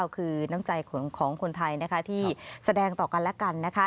คือน้ำใจของคนไทยที่แสดงต่อกันและกันนะคะ